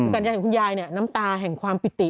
คุณยายนี่นะครับน้ำตาแห่งความปิติ